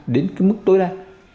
đến cái mức tối đa